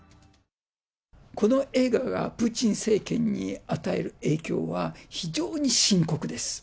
この映画がプーチン政権に与える影響は、非常に深刻です。